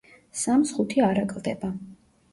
სამს ხუთი არ აკლდება.